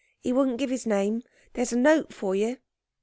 'He wouldn't give his name. There's a note for you.'